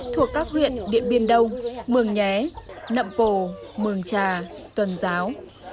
thuộc các huyện điện biên đông mường nhé nậm pồ mường trà tuần giáo